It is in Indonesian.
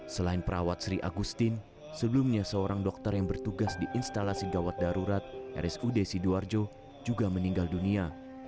selain perawat sri agustin sebelumnya seorang dokter yang bertugas di instalasi gawat darurat rsud sidoarjo juga meninggal dunia